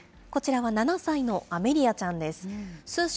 こちらは７歳のアメリアちゃんです。